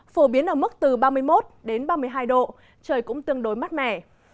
phổ biến ở mức từ ba mươi một đến ba mươi hai độ trời cũng tương đối mát mẻ